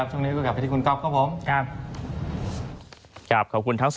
ช่วงนี้ก็กลับไปที่คุณก๊อบ